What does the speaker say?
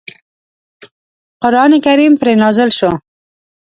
قرآن کریم پرې نازل شو.